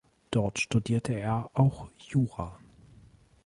Dort studierte er auch Jura.